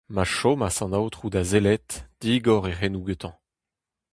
Ma chomas an aotrou da sellet, digor e c'henoù gantañ.